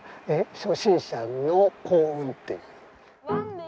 初心者の幸運って。